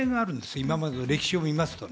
今までの歴史を見ますと。